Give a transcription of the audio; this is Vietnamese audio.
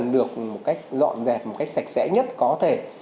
được một cách dọn dẹp một cách sạch sẽ nhất có thể